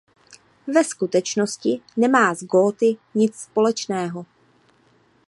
Ve skutečnosti nemá s Góty nic společného.